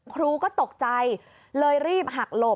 ครูก็ตกใจเลยรีบหักหลบ